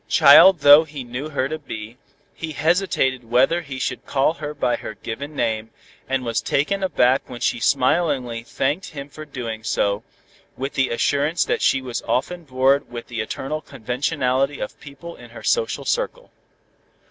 Child though he knew her to be, he hesitated whether he should call her by her given name, and was taken aback when she smilingly thanked him for doing so, with the assurance that she was often bored with the eternal conventionality of people in her social circle.